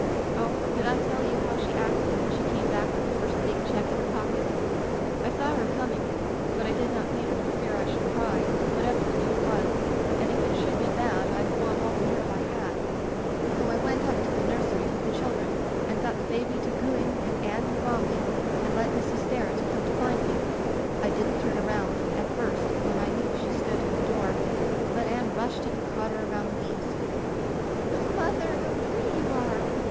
"Oh, did I tell you how she acted when she came back with the first big check in Digitized by LjOOQ IC Interventions her pocket ? I saw her coming but I did not meet her for fear I should cry, whatever the news was, and if it should be bad Td want all the nerve I had, so I went up to the nursery with the children and got the baby to goo ing and Anne to romping, and let Mrs. Sterret come to find me. I didn't turn around at first when I knew she stood in the door, but Anne rushed and caught her around the knees. *Oh, Mother, how pretty you are!'